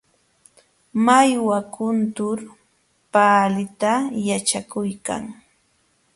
Mallwa kuntur paalita yaćhakuykan.